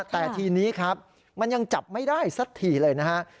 แต่ทีนี้ครับมันยังจับไม่ได้สักทีเลยนะฮะ